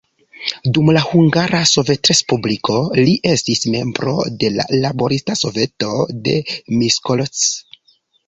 Dum la Hungara Sovetrespubliko, li estis membro de la laborista soveto de Miskolc.